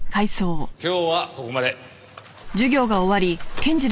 今日はここまで。